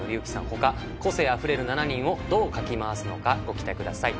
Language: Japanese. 他個性あふれる７人をどうかき回すのかご期待ください。